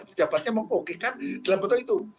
pejabatnya mengkokekan dalam bentuk itu